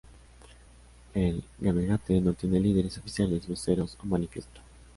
El Gamergate no tiene líderes oficiales, voceros o manifiesto.